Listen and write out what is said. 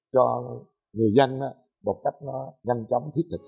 cho người doanh một cách nhanh chóng thiết định hơn